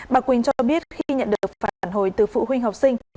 bà quỳnh cho biết khi nhận được phản hồi từ phụ huynh học sinh